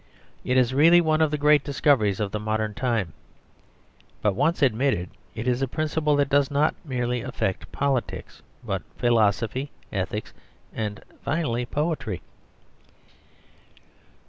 It is really one of the great discoveries of the modern time; but, once admitted, it is a principle that does not merely affect politics, but philosophy, ethics, and finally poetry.